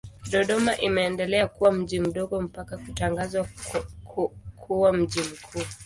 Dodoma imeendelea kuwa mji mdogo mpaka kutangazwa kuwa mji mkuu.